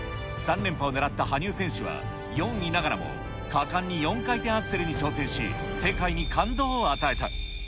３連覇を狙った羽生選手は４位ながらも、果敢に４回転アクセルに挑戦し、世界に感動を与えた。